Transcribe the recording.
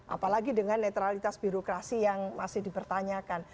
apalagi dengan netralitas birokrasi yang masih dipertanyakan